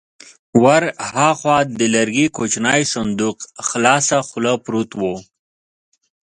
ور هاخوا د لرګي کوچينی صندوق خلاصه خوله پروت و.